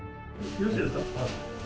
よろしいですか？